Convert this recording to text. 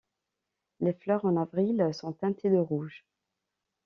Les fleurs, en avril, sont teintées de rouge.